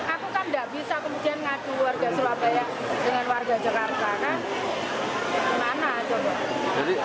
aku kan nggak bisa kemudian ngacu warga surabaya dengan warga jakarta kan